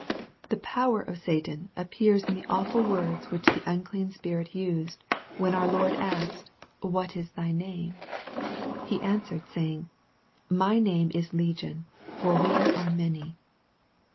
The power of Satan appears in the awful words which the unclean spirit used, when our Lord asked, " What is thy name ?" He answered, saying " My name is Legion : for we are many."